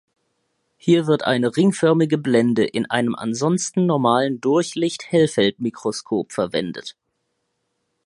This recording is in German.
Hier wird eine ringförmige Blende in einem ansonsten normalen Durchlicht-Hellfeldmikroskop verwendet.